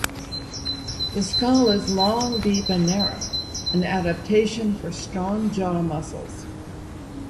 The skull is long, deep and narrow, an adaptation for strong jaw muscles.